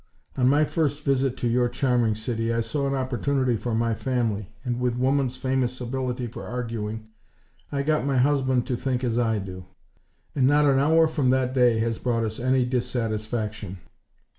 On my first visit to your charming city I saw an opportunity for my family; and, with woman's famous ability for arguing, I got my husband to think as I do; and not an hour from that day has brought us any dissatisfaction.